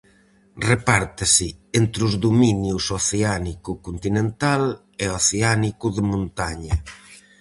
Repártese entre os dominios oceánico continental e oceánico de montaña.